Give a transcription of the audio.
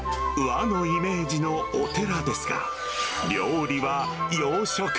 和のイメージのお寺ですが、料理は洋食。